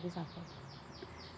saya masuk ke angkasa ferry